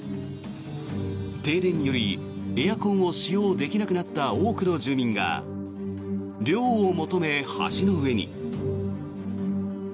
停電により、エアコンを使用できなくなった多くの住民が涼を求め、橋の上に。